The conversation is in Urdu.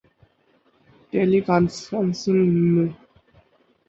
ٹیلی کانفرنسنگ م